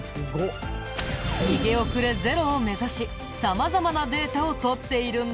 逃げ遅れゼロを目指し様々なデータを取っているんだ。